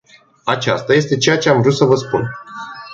Aceasta este ceea ce am vrut să spun.